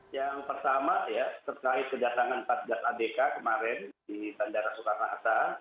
yang pertama ya terkait kedatangan empat gas abk kemarin di tandara soekarnasa